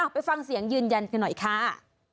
ไปฟังเสียงยืนยันกันหน่อยค่ะ